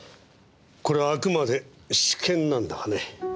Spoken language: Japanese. これはあくまで私見なんだがね